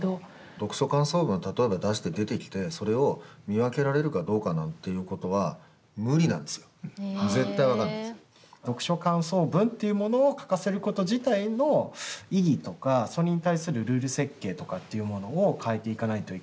読書感想文を例えば出して出てきてそれを見分けられるかどうかなんていうことは読書感想文というものを書かせること自体の意義とかそれに対するルール設計とかっていうものを変えていかないといけない。